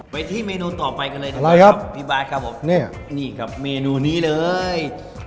ไปที่เมนูต่อไปกันเลยครับพี่บ๊ายครับพี่บ๊ายครับผมเนี่ยครับเมนูนี้เลย